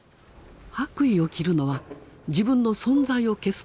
白衣を着るのは自分の存在を消すため。